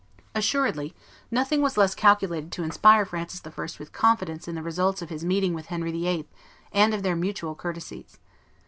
Assuredly nothing was less calculated to inspire Francis I. with confidence in the results of his meeting with Henry VIII. and of their mutual courtesies.